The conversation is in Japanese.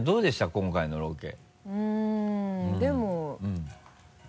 今回のロケ。